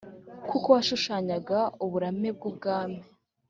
kuko washushanyaga "uburame" bw'ubwami